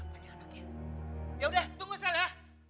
ya udah tunggu sel ya